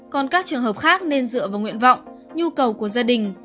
còn các trường hợp khác nên dựa vào nguyện vọng nhu cầu của gia đình